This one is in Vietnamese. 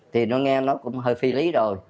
thì nó nghe nó cũng hơi phi lý rồi